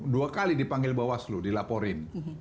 dua kali dipanggil bawaslu dilaporin